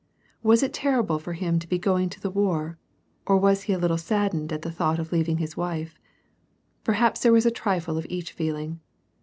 Was it terrible for him to be going to the war, or was he a little sad dened at the thought of leaving his wife ? Perhaps there was a trifle of each feeling.